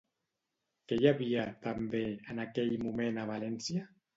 Què hi havia, també, en aquell moment a València?